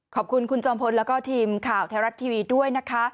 ขอบคุณคุณจอมพลแล้วก็ทีมข่าวไทยรัฐทีวีด้วยนะคะ